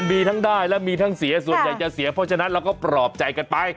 มีทั้งได้และมีทั้งเสียส่วนใหญ่จะเสียเพราะฉะนั้นเราก็ปลอบใจกันไป